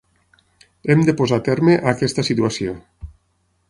Hem de posar terme a aquesta situació.